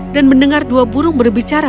dan mendengar dua burung berbicara